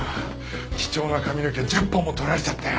貴重な髪の毛１０本も取られちゃったよ。